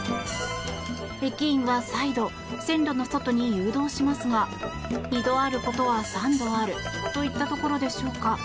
駅員は再度線路の外に誘導しますが二度あることは三度あるといったところでしょうか。